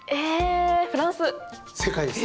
正解です。